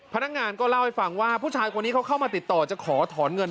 พนักงานก็เล่าให้ฟังว่าผู้ชายคนนี้เขาเข้ามาติดต่อจะขอถอนเงิน